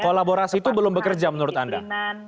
kolaborasi itu belum bekerja menurut anda